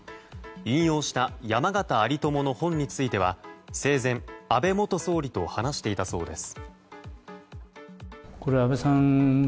引用した山県有朋の本については生前、安倍元総理と話していたそうです。